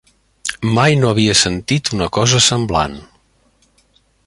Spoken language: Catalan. Mai no havia sentit una cosa semblant.